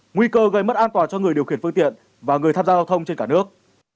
nguy cơ gây mất an toàn cho người điều khiển phương tiện và người tham gia giao thông trên cả nước